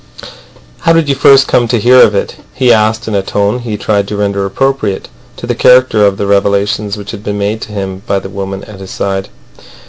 "How did you first come to hear of it?" he asked in a tone he tried to render appropriate to the character of the revelations which had been made to him by the woman at his side.